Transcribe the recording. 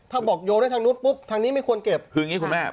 ถ้าบอกโยนได้ทางนู้นปุ๊บทางนี้ไม่ควรเก็บคืออย่างนี้คุณแม่